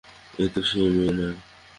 এ তো সেই মেয়ে নয়।